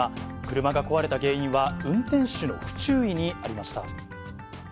車が壊れた原因は、運転手の不注意にありました。